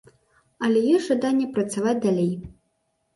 Але ёсць жаданне працаваць далей.